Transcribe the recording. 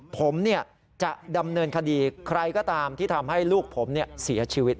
ผมจะดำเนินคดีใครก็ตามที่ทำให้ลูกผมเสียชีวิต